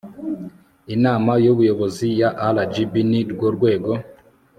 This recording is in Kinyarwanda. Inama y Ubuyobozi ya RGB ni rwo rwego